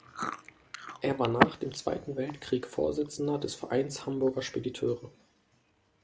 Er war nach dem Zweiten Weltkrieg Vorsitzender des Vereins Hamburger Spediteure.